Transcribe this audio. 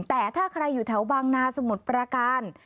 แต่ถ้าใครอยู่แถวบางนาสมุทรประการ